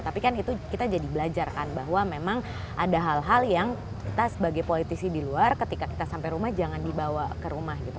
tapi kan itu kita jadi belajar kan bahwa memang ada hal hal yang kita sebagai politisi di luar ketika kita sampai rumah jangan dibawa ke rumah gitu